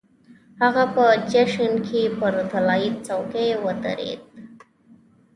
هغه په جشن کې پر طلايي څوکۍ ودرېد.